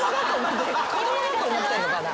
子供だと思ってんのかな？